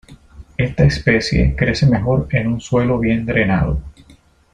Esta especie crece mejor en un suelo bien drenado.